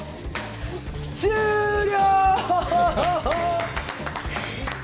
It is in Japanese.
終了！